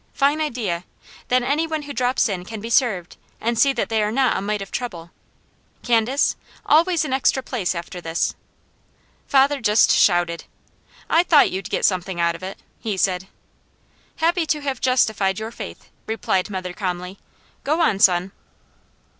"Fine idea! Then any one who drops in can be served, and see that they are not a mite of trouble. Candace, always an extra place after this!" Father just shouted. "I thought you'd get something out of it!" he said. "Happy to have justified your faith!" replied mother calmly. "Go on, son!"